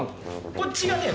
こっちがね。